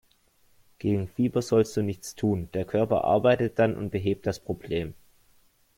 Gegen Fieber sollst du nichts tun, der Körper arbeitet dann und behebt das Problem.